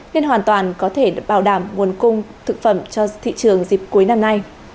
nên hoàn toàn có thể bảo đảm nguồn cung thực phẩm cho thị trường dịp cuối năm nay